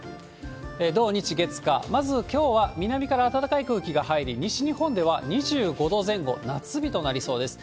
土、日、月、火、まずきょうは南から暖かい空気が入り、西日本では２５度前後、夏日となりそうです。